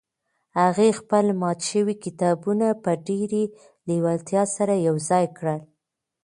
هغې خپل مات شوي کتابونه په ډېرې لېوالتیا سره یو ځای کړل.